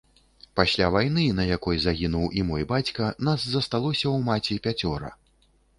Пасля вайны, на якой загінуў і мой бацька, нас засталося ў маці пяцёра.